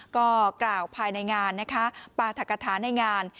ก็กล่าวภายในงานนะคะปราธกฐาในงาน